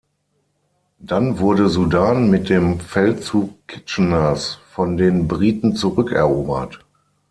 Dann wurde Sudan mit dem Feldzug Kitcheners von den Briten zurückerobert.